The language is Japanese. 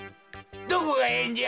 どこがええんじゃ！